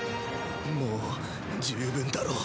もう十分だろ。